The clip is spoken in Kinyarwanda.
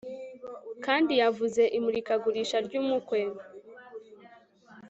kandi yavuze imurikagurisha ry'umukwe